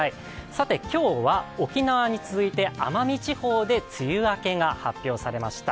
さて、今日は沖縄に続いて、奄美地方で梅雨明けが発表されました。